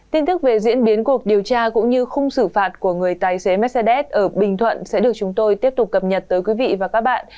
tin thức về diễn biến cuộc điều tra cũng như khung xử phạt của người tài xế mercedes ở bình thuận sẽ được chúng tôi tiếp tục cập nhật tới quý vị và các bạn